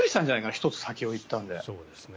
１つ先を行ったので。